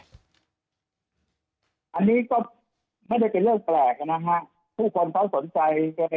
อันนี้ก็ไม่ได้เป็นเรื่องแปลกนะฮะผู้คนเขาสนใจจะไป